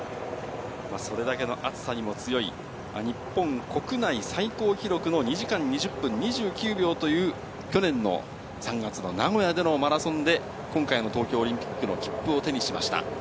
それだけの暑さにも強い、日本国内最高記録の２時間２０分２９秒という、去年の３月の名古屋でのマラソンで、今回の東京オリンピックの切符を手にしました。